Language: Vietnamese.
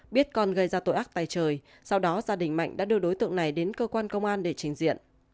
biết con gây ra tội ác tài trời sau đó gia đình mạnh đã đưa đối tượng này đến cơ quan công an để trình diện